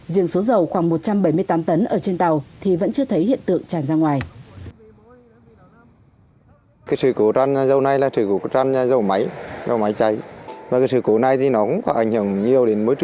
riêng số dầu khoảng một trăm bảy mươi tám tấn ở trên tàu thì vẫn chưa thấy hiện tượng tràn ra ngoài